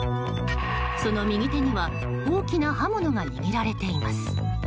その右手には大きな刃物が握られています。